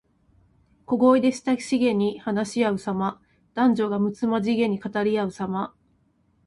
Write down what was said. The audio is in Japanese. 小声で親しげに話しあうさま。男女がむつまじげに語りあうさま。